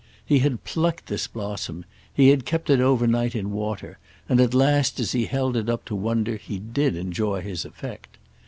He had plucked this blossom; he had kept it over night in water; and at last as he held it up to wonder he did enjoy his effect.